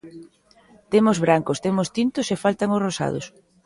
Temos brancos, temos tintos e faltan os rosados.